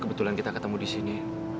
kebetulan kita ketemu di sini